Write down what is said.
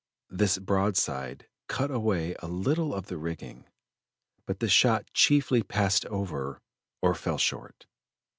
This broadside cut away a little of the rigging, but the shot chiefly passed over or fell short.